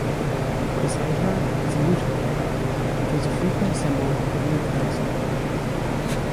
Beside her is a lute-player, which was a frequent symbol of Lutheranism.